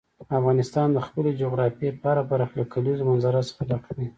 افغانستان د خپلې جغرافیې په هره برخه کې له کلیزو منظره څخه ډک دی.